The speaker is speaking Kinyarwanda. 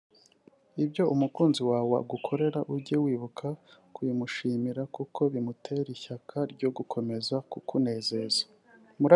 Ibyo umukunzi wawe agukorera ujye wibuka kubimushimira kuko bimutera ishyaka ryo gukomeza kukunezeza